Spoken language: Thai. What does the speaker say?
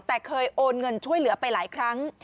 แต่เคยโอนเงินช่วยเหลือไปหลายครั้ง